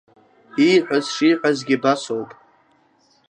Ииҳәаз, шиҳәазгьы абас ауп!